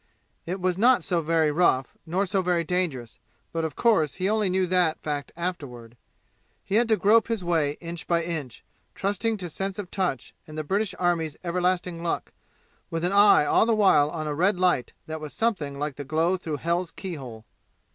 It was not so very rough, nor so very dangerous, but of course he only knew that fact afterward. He had to grope his way inch by inch, trusting to sense of touch and the British army's everlasting luck, with an eye all the while on a red light that was something like the glow through hell's keyhole.